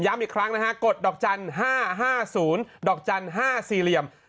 ย้ำอีกครั้งนะคะกดดอกจัน๕๐๕จัน๕ซีเลียม